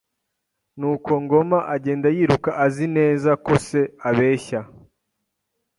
Nuko Ngoma agenda yiruka azi neza ko se abeshya